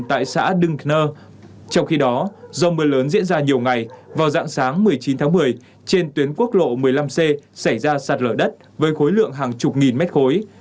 tại xã đưng nơ trong khi đó do mưa lớn diễn ra nhiều ngày vào dạng sáng một mươi chín tháng một mươi trên tuyến quốc lộ một mươi năm c xảy ra sạt lở đất với khối lượng hàng chục nghìn mét khối